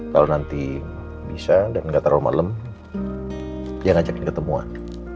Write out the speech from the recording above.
kalau nanti bisa dan nggak terlalu malam dia ngajakin ketemuan